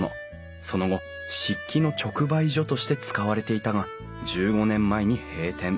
その後漆器の直売所として使われていたが１５年前に閉店。